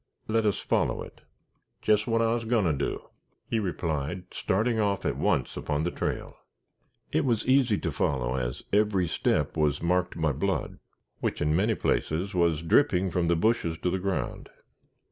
Let us follow it." "Jes' what I's agoin' to do," he replied, starting off at once upon the trail. It was easy to follow, as every step was marked by blood, which, in many places, was dripping from the bushes to the ground.